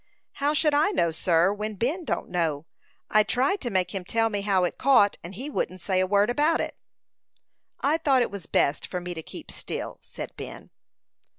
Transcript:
"How should I know, sir, when Ben don't know? I tried to make him tell me how it caught, and he wouldn't say a word about it." "I thought it was best for me to keep still," said Ben.